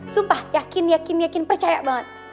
sumpah yakin yakin yakin percaya banget